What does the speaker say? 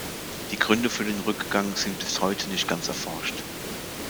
Die Gründe für den Rückgang sind bis heute nicht ganz erforscht.